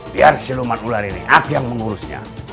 biar siluman ular ini ada yang mengurusnya